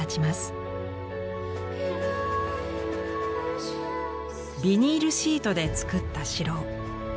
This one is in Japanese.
ビニールシートで作った城。